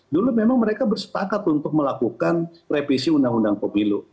dulu memang mereka bersepakat untuk melakukan revisi undang undang pemilu